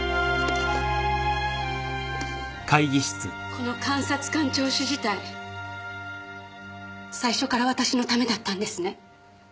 この監察官聴取自体最初から私のためだったんですね。